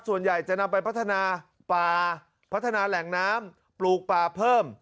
ส่วนใหญ่จะนำไปพัฒนาป่าพัฒนาแหล่งน้ำปลูกป่าเพิ่ม